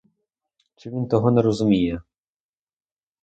Чи він того не розуміє!